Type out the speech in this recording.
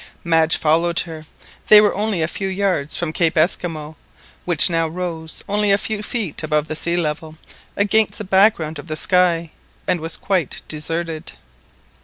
Madge followed her, they were only a few yards from Cape Esquimaux, which now rose only a few feet upon the sea level against the background of the sky, and was quite deserted.